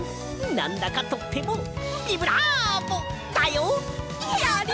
なんだかとってもビブラーボ！だよ！やった！